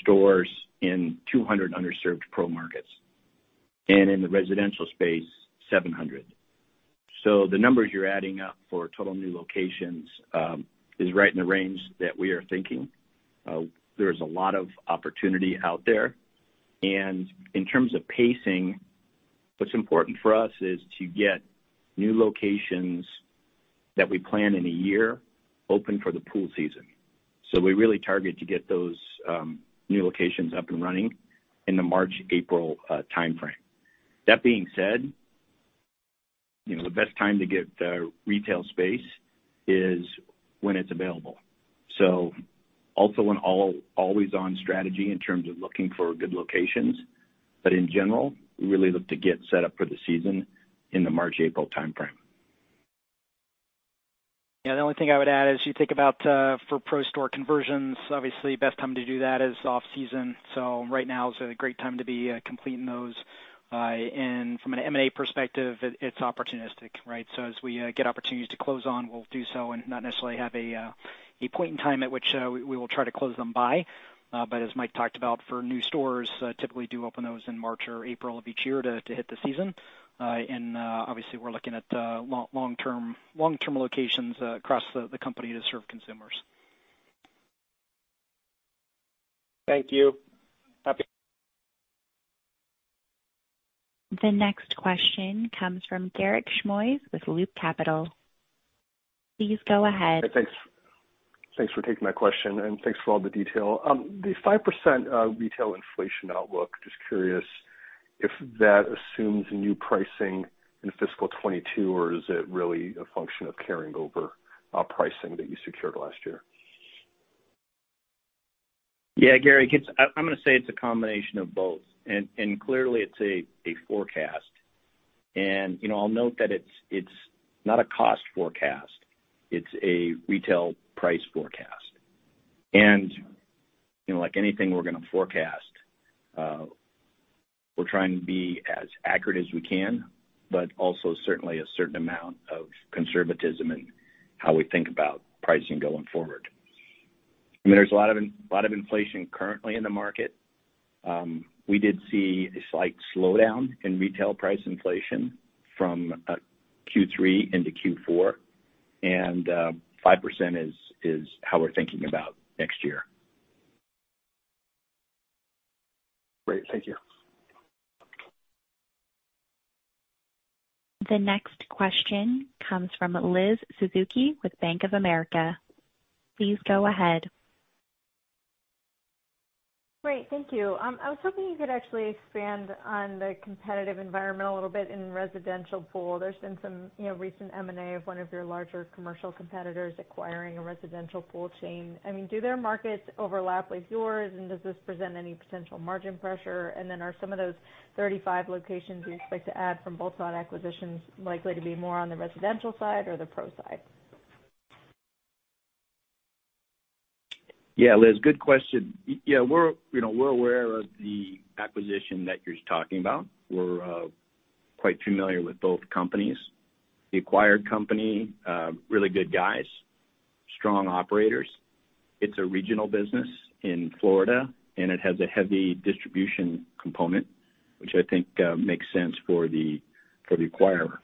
stores in 200 underserved pro markets. In the residential space, 700. The numbers you're adding up for total new locations is right in the range that we are thinking. There's a lot of opportunity out there. In terms of pacing, what's important for us is to get new locations that we plan in a year open for the pool season. We really target to get those new locations up and running in the March, April timeframe. That being said, you know, the best time to get retail space is when it's available. Also an always on strategy in terms of looking for good locations. In general, we really look to get set up for the season in the March, April timeframe. Yeah. The only thing I would add is you think about for pro store conversions, obviously best time to do that is off-season. Right now is a great time to be completing those. From an M&A perspective, it's opportunistic, right? As we get opportunities to close on, we'll do so and not necessarily have a point in time at which we will try to close them by. As Mike talked about for new stores, typically do open those in March or April of each year to hit the season. Obviously we're looking at long-term locations across the company to serve consumers. Thank you. The next question comes from Garik Shmois with Loop Capital. Please go ahead. Hey, thanks. Thanks for taking my question, and thanks for all the detail. The 5% retail inflation outlook, just curious if that assumes new pricing in fiscal 2022, or is it really a function of carrying over pricing that you secured last year? Yeah, Garik Shmois, I'm gonna say it's a combination of both. Clearly it's a forecast. You know, I'll note that it's not a cost forecast, it's a retail price forecast. You know, like anything we're gonna forecast, we're trying to be as accurate as we can, but also certainly a certain amount of conservatism in how we think about pricing going forward. I mean, there's a lot of inflation currently in the market. We did see a slight slowdown in retail price inflation from Q3 into Q4, and 5% is how we're thinking about next year. Great. Thank you. The next question comes from Liz Suzuki with Bank of America. Please go ahead. Great. Thank you. I was hoping you could actually expand on the competitive environment a little bit in residential pool. There's been some recent M&A of one of your larger commercial competitors acquiring a residential pool chain. I mean, do their markets overlap with yours, and does this present any potential margin pressure? Are some of those 35 locations you expect to add from bolt-on acquisitions likely to be more on the residential side or the pro side? Yeah. Liz, good question. Yeah, we're, you know, aware of the acquisition that you're talking about. We're quite familiar with both companies. The acquired company, really good guys, strong operators. It's a regional business in Florida, and it has a heavy distribution component, which I think makes sense for the acquirer.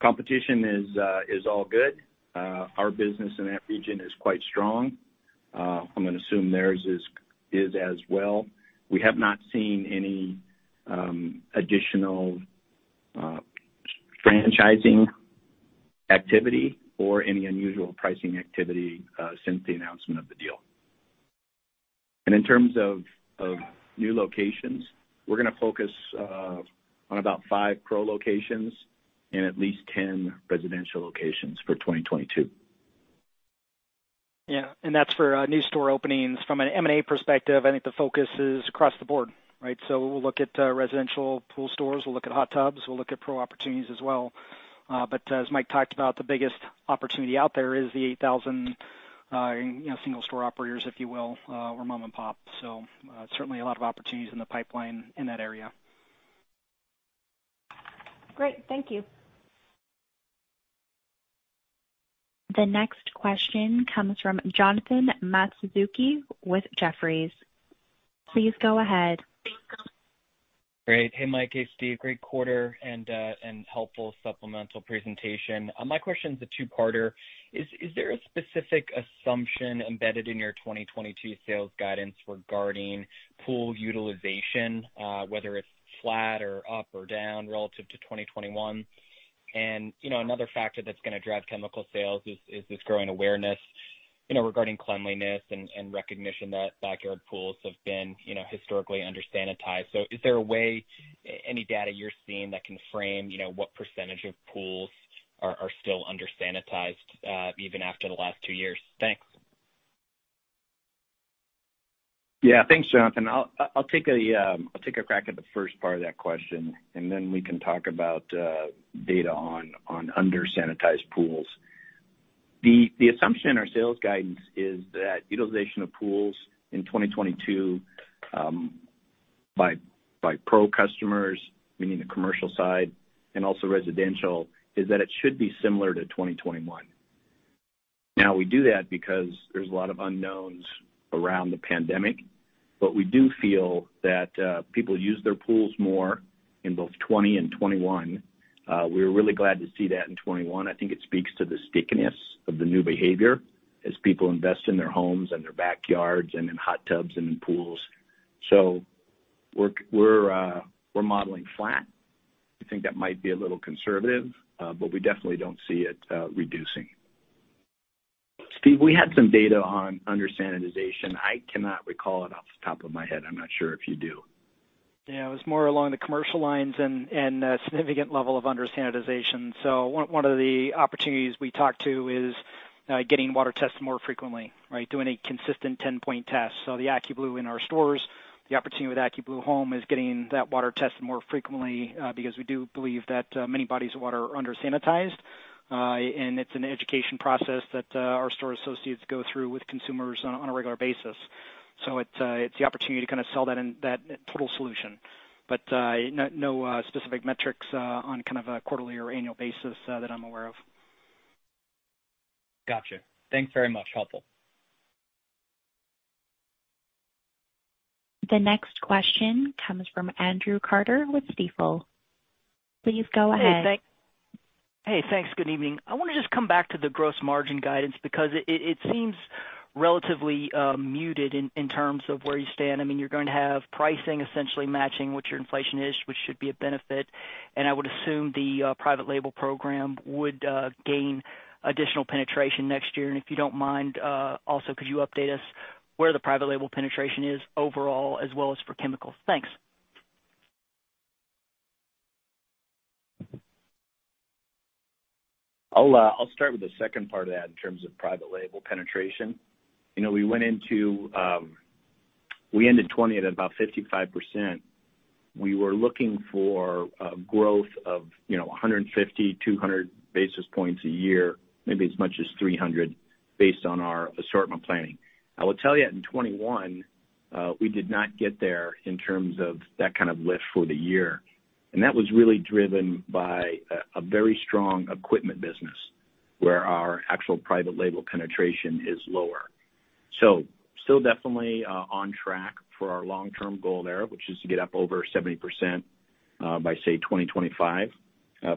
Competition is all good. Our business in that region is quite strong. I'm gonna assume theirs is as well. We have not seen any additional franchising activity or any unusual pricing activity since the announcement of the deal. In terms of new locations, we're gonna focus on about five pro locations and at least 10 residential locations for 2022. Yeah. That's for new store openings. From an M&A perspective, I think the focus is across the board, right? We'll look at residential pool stores, we'll look at hot tubs, we'll look at pro opportunities as well. As Mike talked about, the biggest opportunity out there is the 8,000 you know, single store operators, if you will, or mom and pop. Certainly a lot of opportunities in the pipeline in that area. Great. Thank you. The next question comes from Jonathan Matuszewski with Jefferies. Please go ahead. Great. Hey, Mike, hi there. Great quarter and helpful supplemental presentation. My question's a two-parter. Is there a specific assumption embedded in your 2022 sales guidance regarding pool utilization, whether it's flat or up or down relative to 2021? You know, another factor that's gonna drive chemical sales is this growing awareness, you know, regarding cleanliness and recognition that backyard pools have been, you know, historically under-sanitized. Is there a way, any data you're seeing that can frame, you know, what percentage of pools are still under-sanitized, even after the last two years? Thanks. Yeah. Thanks, Jonathan. I'll take a crack at the first part of that question, and then we can talk about data on under-sanitized pools. The assumption in our sales guidance is that utilization of pools in 2022 by pro customers, meaning the commercial side, and also residential, is that it should be similar to 2021. Now we do that because there's a lot of unknowns around the pandemic, but we do feel that people use their pools more in both 2020 and 2021. We were really glad to see that in 2021. I think it speaks to the stickiness of the new behavior as people invest in their homes and their backyards and in hot tubs and in pools. We're modeling flat. We think that might be a little conservative, but we definitely don't see it reducing. Steve, we had some data on under-sanitization. I cannot recall it off the top of my head. I'm not sure if you do. Yeah. It was more along the commercial lines and a significant level of under-sanitization. One of the opportunities we talked to is getting water tested more frequently, right? Doing a consistent 10-point test. The AccuBlue in our stores, the opportunity with AccuBlue Home is getting that water tested more frequently, because we do believe that many bodies of water are under-sanitized. It's an education process that our store associates go through with consumers on a regular basis. It's the opportunity to kind of sell that in that total solution. No specific metrics on kind of a quarterly or annual basis that I'm aware of. Gotcha. Thanks very much. Helpful. The next question comes from Andrew Carter with Stifel. Please go ahead. Hey, thanks. Good evening. I wanna just come back to the gross margin guidance because it seems relatively muted in terms of where you stand. I mean, you're going to have pricing essentially matching what your inflation is, which should be a benefit. I would assume the private label program would gain additional penetration next year. If you don't mind, also could you update us where the private label penetration is overall as well as for chemicals? Thanks. I'll start with the second part of that in terms of private label penetration. You know, we ended 2020 at about 55%. We were looking for growth of, you know, 150-200 basis points a year, maybe as much as 300 based on our assortment planning. I will tell you in 2021, we did not get there in terms of that kind of lift for the year. That was really driven by a very strong equipment business where our actual private label penetration is lower. Still definitely on track for our long-term goal there, which is to get up over 70%, by say 2025.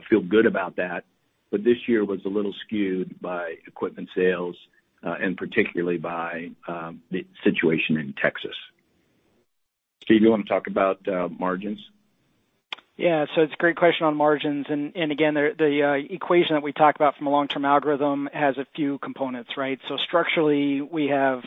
Feel good about that. This year was a little skewed by equipment sales, and particularly by the situation in Texas. Steve, you wanna talk about margins? Yeah, it's a great question on margins. Again, the equation that we talk about from a long-term algorithm has a few components, right? Structurally, we have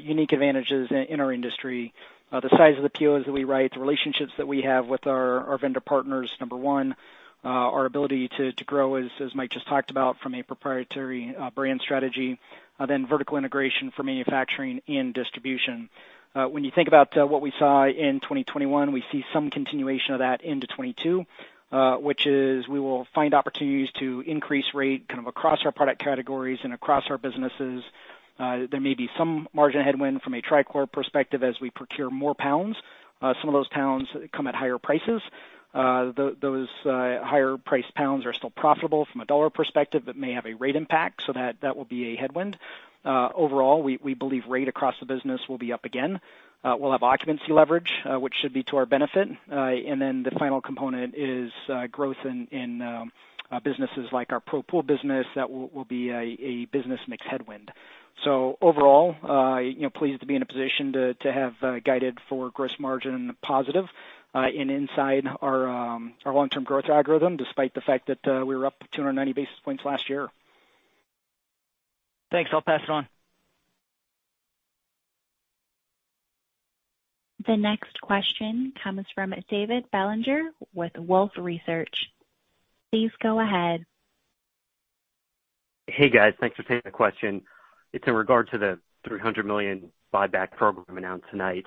unique advantages in our industry. The size of the POs that we write, the relationships that we have with our vendor partners, number one. Our ability to grow as Mike just talked about from a proprietary brand strategy. Then vertical integration for manufacturing and distribution. When you think about what we saw in 2021, we see some continuation of that into 2022, which is we will find opportunities to increase rate kind of across our product categories and across our businesses. There may be some margin headwind from a Tri-Chlor perspective as we procure more pounds. Some of those pounds come at higher prices. Those higher priced pounds are still profitable from a dollar perspective, but may have a rate impact. That will be a headwind. Overall, we believe rate across the business will be up again. We'll have occupancy leverage, which should be to our benefit. The final component is growth in businesses like our Pro Pool business that will be a business mix headwind. Overall, you know, pleased to be in a position to have guided for gross margin positive and inside our long-term growth algorithm despite the fact that we were up 290 basis points last year. Thanks. I'll pass it on. The next question comes from David Bellinger with Wolfe Research. Please go ahead. Hey, guys. Thanks for taking the question. It's in regard to the 300 million buyback program announced tonight.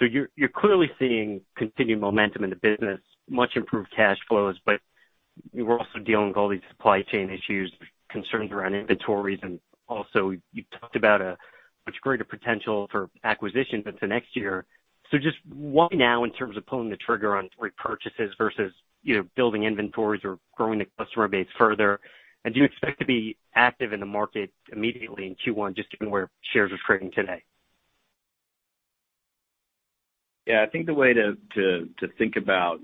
You're clearly seeing continued momentum in the business, much improved cash flows, but you were also dealing with all these supply chain issues, concerns around inventories, and also you talked about a much greater potential for acquisitions into next year. Just why now in terms of pulling the trigger on repurchases versus, you know, building inventories or growing the customer base further? And do you expect to be active in the market immediately in Q1 just given where shares are trading today? Yeah. I think the way to think about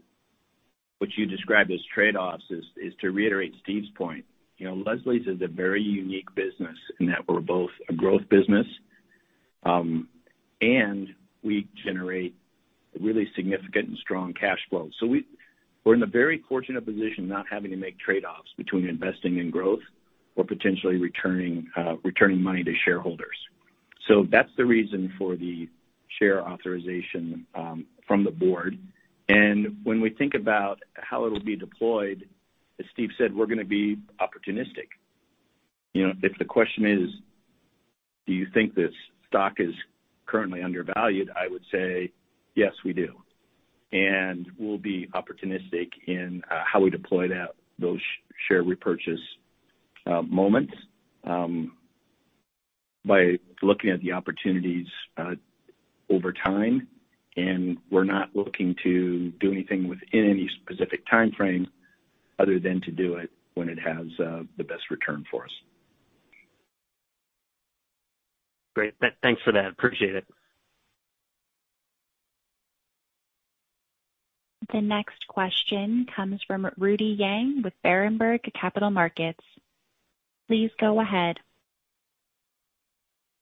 what you described as trade-offs is to reiterate Steve's point. You know, Leslie's is a very unique business in that we're both a growth business and we generate really significant and strong cash flow. We're in a very fortunate position not having to make trade-offs between investing in growth or potentially returning money to shareholders. That's the reason for the share authorization from the board. When we think about how it'll be deployed, as Steve said, we're gonna be opportunistic. You know, if the question is, do you think this stock is currently undervalued? I would say yes, we do. We'll be opportunistic in how we deploy those share repurchase program by looking at the opportunities over time. We're not looking to do anything within any specific timeframe. Other than to do it when it has the best return for us. Great. Thanks for that. Appreciate it. The next question comes from Rudy Yang with Berenberg Capital Markets. Please go ahead.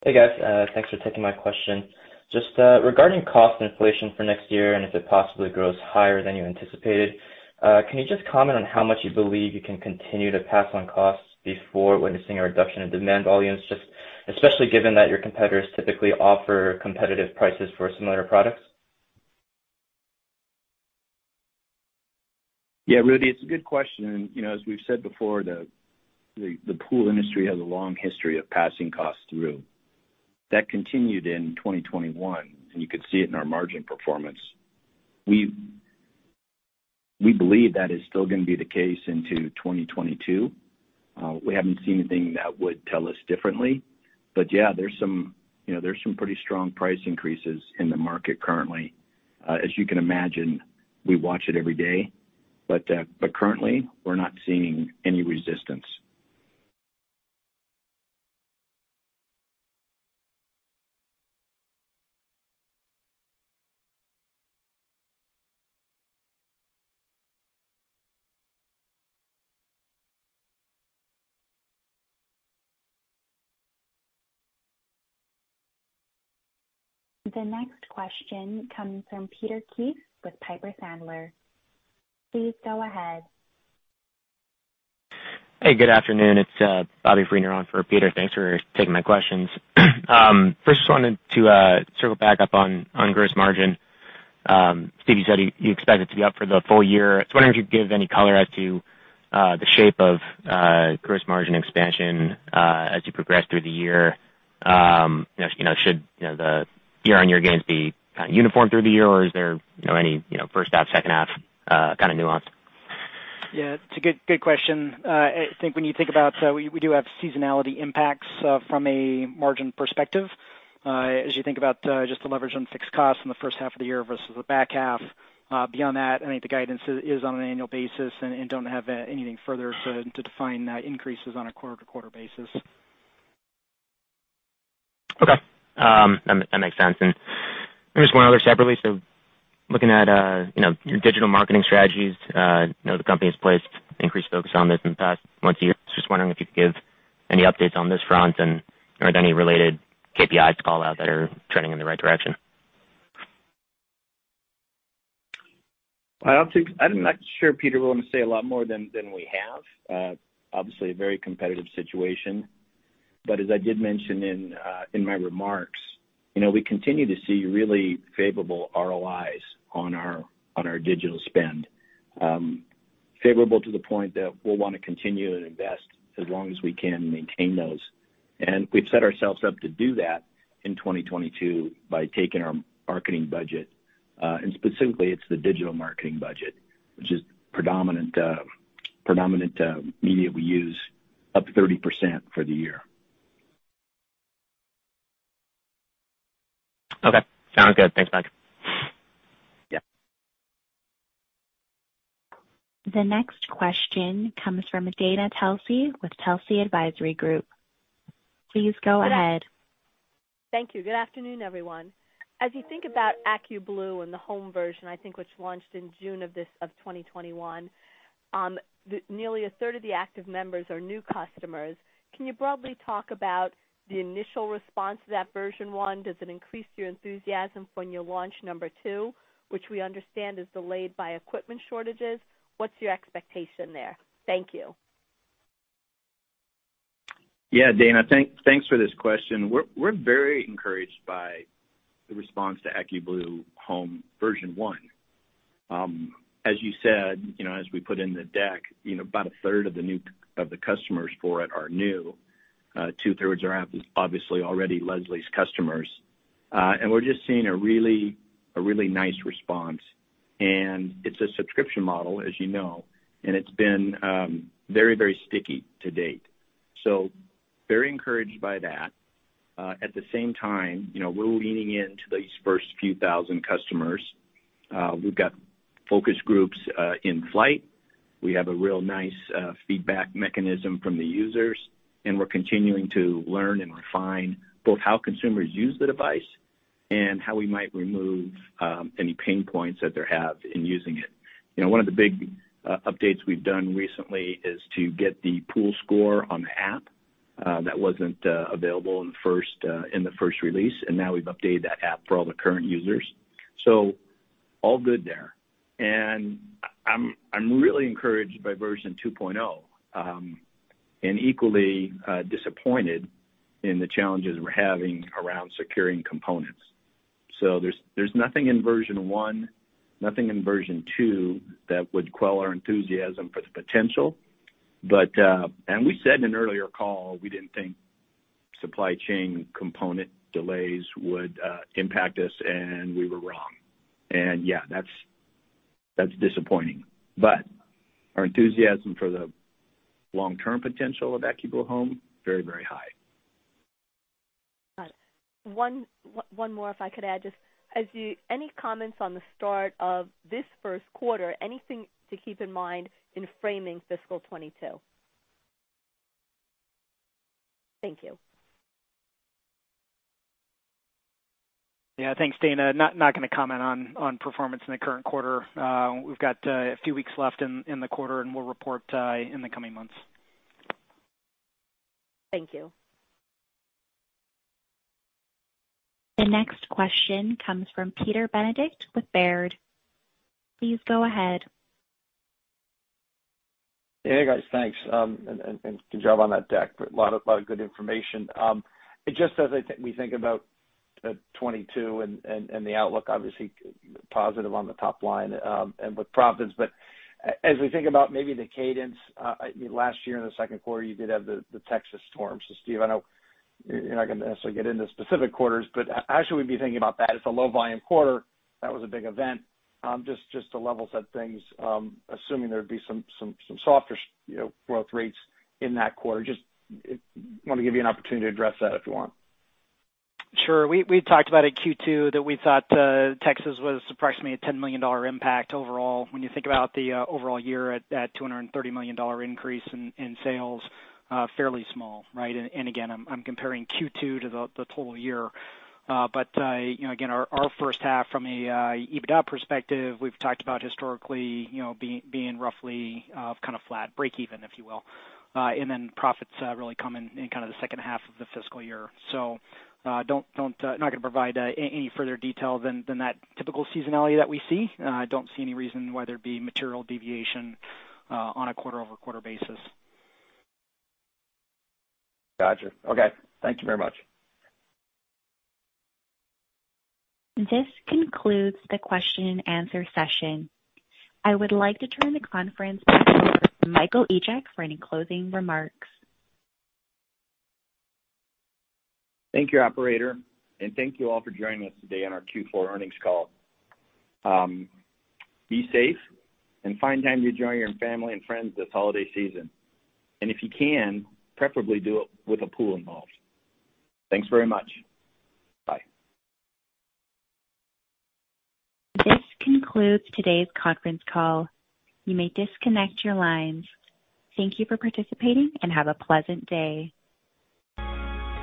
Hey, guys. Thanks for taking my question. Just regarding cost inflation for next year and if it possibly grows higher than you anticipated, can you just comment on how much you believe you can continue to pass on costs before witnessing a reduction in demand volumes, just especially given that your competitors typically offer competitive prices for similar products? Yeah. Rudy, it's a good question. You know, as we've said before, the pool industry has a long history of passing costs through. That continued in 2021, and you could see it in our margin performance. We believe that is still gonna be the case into 2022. We haven't seen anything that would tell us differently. But yeah, there's some, you know, pretty strong price increases in the market currently. As you can imagine, we watch it every day, but currently we're not seeing any resistance. The next question comes from Peter Keith with Piper Sandler. Please go ahead. Hey, good afternoon. It's Bobby Friedner on for Peter. Thanks for taking my questions. First just wanted to circle back up on gross margin. Steve, you said you expect it to be up for the full year. Just wondering if you'd give any color as to the shape of gross margin expansion as you progress through the year. You know, should the year-on-year gains be kind of uniform through the year, or is there any first half, second half kind of nuance? Yeah, it's a good question. I think when you think about we do have seasonality impacts from a margin perspective, as you think about just the leverage on fixed costs in the first half of the year versus the back half. Beyond that, I think the guidance is on an annual basis and don't have anything further to define increases on a quarter-to-quarter basis. Okay. That makes sense. There's one other separately. Looking at, you know, your digital marketing strategies, you know, the company has placed increased focus on this in the past months. Just wondering if you could give any updates on this front and are there any related KPIs to call out that are trending in the right direction? I'm not sure, Peter, we wanna say a lot more than we have. Obviously a very competitive situation, but as I did mention in my remarks, you know, we continue to see really favorable ROIs on our digital spend. Favorable to the point that we'll wanna continue to invest as long as we can maintain those. We've set ourselves up to do that in 2022 by taking our marketing budget, and specifically it's the digital marketing budget, which is predominant media we use, up 30% for the year. Okay, sounds good. Thanks, Mike. Yeah. The next question comes from Dana Telsey with Telsey Advisory Group. Please go ahead. Thank you. Good afternoon, everyone. As you think about AccuBlue and the home version, I think, which launched in June of 2021, nearly a third of the active members are new customers. Can you broadly talk about the initial response to that version one? Does it increase your enthusiasm for when you launch number two, which we understand is delayed by equipment shortages? What's your expectation there? Thank you. Yeah, Dana, thanks for this question. We're very encouraged by the response to AccuBlue Home version one. As you said, you know, as we put in the deck, you know, about a third of the customers for it are new. Two-thirds are obviously already Leslie's customers. We're just seeing a really nice response. It's a subscription model, as you know, and it's been very sticky to date. Very encouraged by that. At the same time, you know, we're leaning into these first few thousand customers. We've got focus groups in flight. We have a real nice feedback mechanism from the users, and we're continuing to learn and refine both how consumers use the device and how we might remove any pain points that they have in using it. You know, one of the big updates we've done recently is to get the pool score on the app that wasn't available in the first release, and now we've updated that app for all the current users. All good there. I'm really encouraged by version 2.0 and equally disappointed in the challenges we're having around securing components. There's nothing in version one, nothing in version two that would quell our enthusiasm for the potential. We said in an earlier call, we didn't think supply chain component delays would impact us, and we were wrong. Yeah, that's disappointing. Our enthusiasm for the long-term potential of AccuBlue Home is very, very high. One more, any comments on the start of this first quarter, anything to keep in mind in framing fiscal 2022? Thank you. Yeah. Thanks, Dana. Not gonna comment on performance in the current quarter. We've got a few weeks left in the quarter, and we'll report in the coming months. Thank you. The next question comes from Peter Benedict with Baird. Please go ahead. Hey, guys, thanks. Good job on that deck. A lot of good information. Just as we think about 2022 and the outlook, obviously positive on the top line and with profits. As we think about maybe the cadence, I mean, last year in the second quarter, you did have the Texas storm. Steve, I know you're not gonna necessarily get into specific quarters, but how should we be thinking about that? It's a low volume quarter. That was a big event. Just to level set things, assuming there'd be some softer, you know, growth rates in that quarter. Just wanna give you an opportunity to address that if you want. Sure. We talked about it Q2 that we thought Texas was approximately a $10 million impact overall. When you think about the overall year at a $230 million increase in sales, fairly small, right? I'm comparing Q2 to the total year. You know, again, our first half from a EBITDA perspective, we've talked about historically, you know, being roughly kind of flat, breakeven, if you will. Profits really come in kinda the second half of the fiscal year. Not gonna provide any further detail than that typical seasonality that we see. I don't see any reason why there'd be material deviation on a quarter-over-quarter basis. Gotcha. Okay. Thank you very much. This concludes the question and answer session. I would like to turn the conference back over to Michael Egeck for any closing remarks. Thank you, operator, and thank you all for joining us today on our Q4 earnings call. Be safe and find time to enjoy your family and friends this holiday season. If you can, preferably do it with a pool involved. Thanks very much. Bye. This concludes today's conference call. You may disconnect your lines. Thank you for participating, and have a pleasant day.